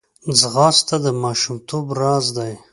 ځغاسته د ماشومتوب راز دی